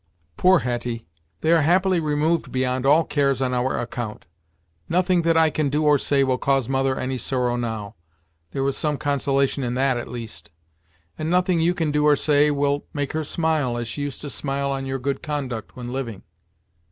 "Poor Hetty! They are happily removed beyond all cares on our account. Nothing that I can do or say will cause mother any sorrow now there is some consolation in that, at least! And nothing you can say or do will make her smile, as she used to smile on your good conduct when living."